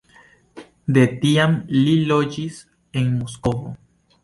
De tiam li loĝis en Moskvo.